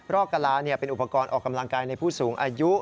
อกกะลาเป็นอุปกรณ์ออกกำลังกายในผู้สูงอายุ